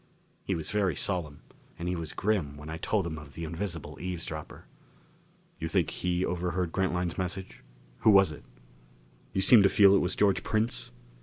He was very solemn. And he was grim when I told him of the invisible eavesdropper. "You think he overheard Grantline's message? Who was it? You seem to feel it was George Prince?"